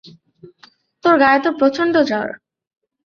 তোর গায়ে তো প্রচণ্ড জ্বর।